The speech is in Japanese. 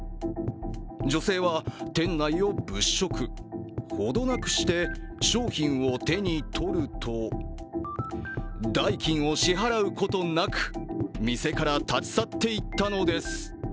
女性は店内を物色、程なくして商品を手に取ると、代金を支払うことなく店から立ち去っていったのです。